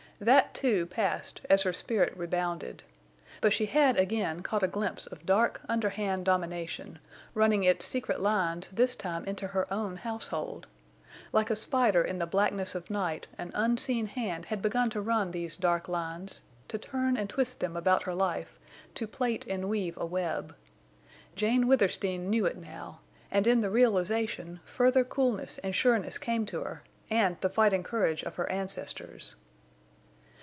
That, too, passed as her spirit rebounded. But she had again caught a glimpse of dark underhand domination, running its secret lines this time into her own household. Like a spider in the blackness of night an unseen hand had begun to run these dark lines, to turn and twist them about her life, to plait and weave a web. Jane Withersteen knew it now, and in the realization further coolness and sureness came to her, and the fighting courage of her ancestors.